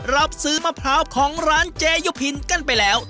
รับซื้อมะพร้าวของร้านเจยุพินกันไปแล้ว